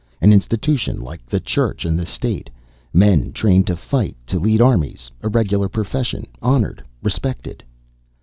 An institution, like the church and the state. Men trained to fight, to lead armies, a regular profession. Honored, respected."